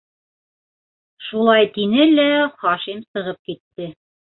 - Шулай тине лә Хашим, сығып китте.